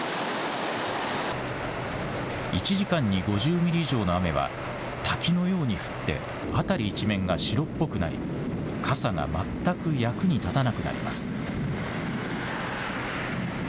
１時間に５０ミリ以上の雨は滝のように降って辺り一面が白っぽくなり傘が全く役に立たなくなります。